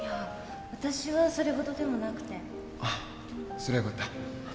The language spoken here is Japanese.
そりゃよかった